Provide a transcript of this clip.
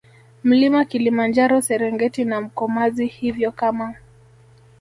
Mlima Kilimanjaro Serengeti na Mkomazi Hivyo kama